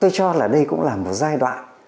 tôi cho là đây cũng là một giai đoạn